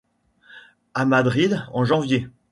À Madrid, en janvier.